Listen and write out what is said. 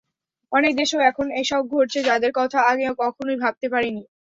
অনেক দেশেও এখন এসব ঘটছে, যাদের কথা আগে কখনোই ভাবতে পারিনি।